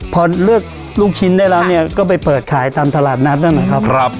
พอเลือกลูกชิ้นได้แล้วเนี่ยก็ไปเปิดขายตามตลาดนัดนั่นแหละครับ